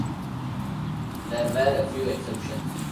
There were a few exceptions.